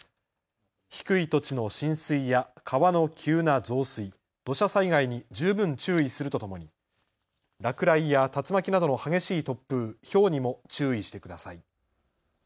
低い土地の浸水や川の急な増水、土砂災害に十分注意するとともに落雷や竜巻などの激しい突風、ひょうにも注意してください。